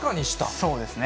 そうですね。